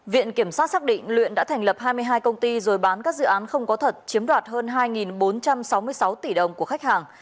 viện kiểm sát xác định luyện đã thành lập hai mươi hai công ty rồi bán các dự án không có thật chiếm đoạt hơn hai bốn trăm sáu mươi sáu tỷ đồng của khách hàng